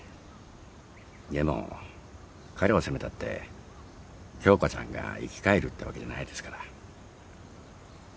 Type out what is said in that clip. でも彼を責めたって鏡花ちゃんが生き返るってわけじゃないですから。